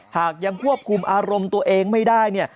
หากยังควบคุมอารมณ์ตัวเองไม่ได้เนี่ย